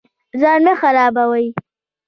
ځان مه خرابوئ